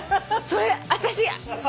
それ私。